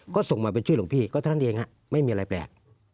ก็ส่งมาเป็นชื่อหลวงพี่ก็เท่านั้นเองฮะไม่มีอะไรแปลก